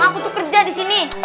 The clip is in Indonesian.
aku kerja di sini